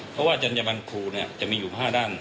เพราะว่าจัญญบันครูจะมีอยู่๕ด้าน